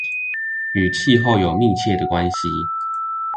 與氣候有密切的關係